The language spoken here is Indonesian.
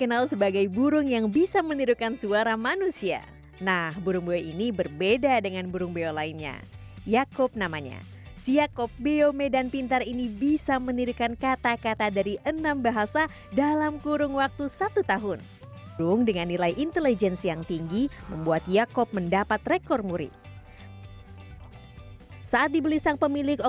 apa yang terjadi